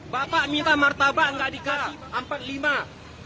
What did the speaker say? bapak minta martabak gak dikasih